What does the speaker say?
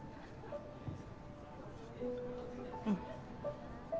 うん。